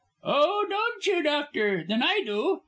"Oh, don't you, doctor, then I do.